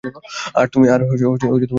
আর তুমি অনেক সুন্দর!